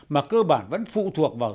mà cơ bản vẫn phụ thuộc vào